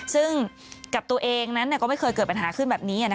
ซึ่งกับตัวเองนั้นก็ไม่เคยเกิดปัญหาขึ้นแบบนี้